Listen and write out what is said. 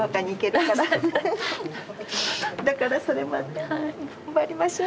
だからそれまで頑張りましょう。